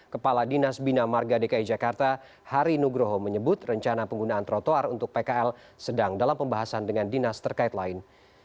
kepala dinas bina marga dki jakarta hari nugroho menyebut rencana penggunaan trotoar untuk pkl sedang dalam pembahasan dengan dinas terkait lain